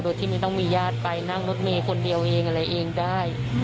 โดยที่ไม่ต้องมีญาติไปนั่งรถเมย์คนเดียวเองอะไรเองได้